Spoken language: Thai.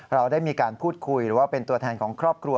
เราได้มีการพูดคุยหรือว่าเป็นตัวแทนของครอบครัว